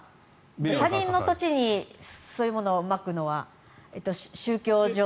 他人の土地にそういうものをまくのは宗教上の。